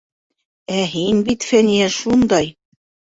Ә һин бит, Фәниә, шундай...